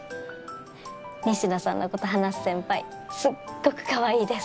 仁科さんのこと話す先輩すっごくかわいいです。